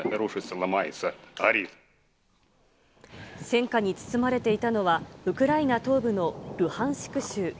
戦火に包まれていたのは、ウクライナ東部のルハンシク州。